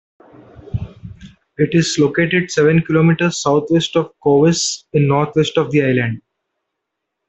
It is located seven kilometres southwest of Cowes in the northwest of the island.